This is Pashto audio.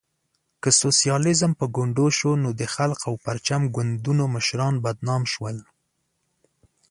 که سوسیالیزم په ګونډو شو، نو د خلق او پرچم ګوندونو مشران بدنام شول.